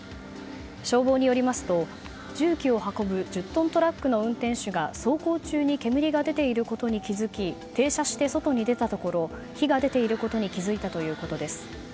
消防によりますと重機を運ぶ１０トントラックの運転手が、走行中に煙が出ていることに気づき停車して外に出たところ火が出ていることに気づいたということです。